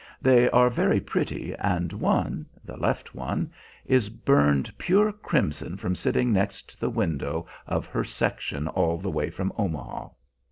They are very pretty, and one the left one is burned pure crimson from sitting next the window of her section all the way from Omaha.